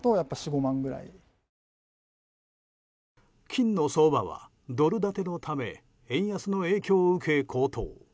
金の相場はドル建てのため円安の影響を受け、高騰。